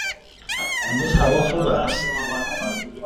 امروز هوا خوب است.